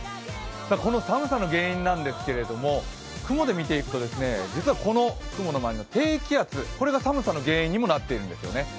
この寒さの原因なんですけれども雲で見ていくと実はこの雲の周りには低気圧、これが寒さの原因にもなっているんですよね。